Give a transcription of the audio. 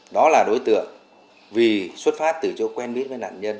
đó là đối tượng vì xuất phát từ chỗ quen biết với nạn nhân